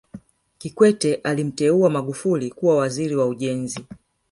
kikwete alimteua magufuli kuwa waziri wa ujenzi